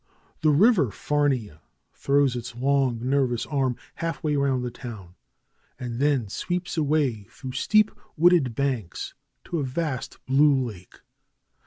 The River Farnia throws its long, nervous arm half way round the town, and then sweeps away through steep, wooded banks to a vast blue lake.